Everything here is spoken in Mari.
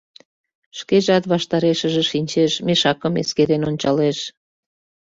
Шкежат ваштарешыже шинчеш, мешакым эскерен ончалеш.